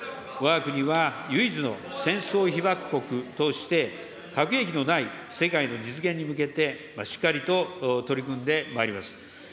わが国は唯一の戦争被爆国として、核兵器のない世界の実現に向けて、しっかりと取り組んでまいります。